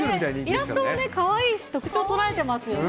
イラストもかわいいし特徴捉えてますよね。